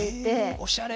おしゃれ！